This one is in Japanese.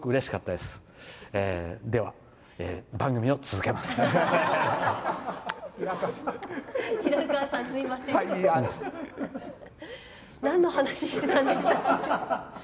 では、番組を続けます。